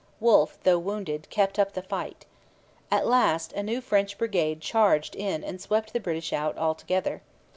Wolfe, though wounded, kept up the fight. At last a new French brigade charged in and swept the British out altogether.